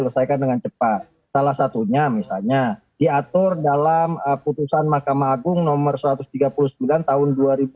salah satunya misalnya diatur dalam putusan mahkamah agung nomor satu ratus tiga puluh sembilan tahun dua ribu sembilan